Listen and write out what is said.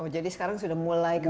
jadi sekarang sudah mulai kembali